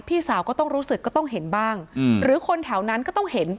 พี่สาวก็ต้องรู้สึกก็ต้องเห็นบ้างหรือคนแถวนั้นก็ต้องเห็น